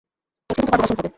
আজকে তো তোমার প্রমোশন হবে।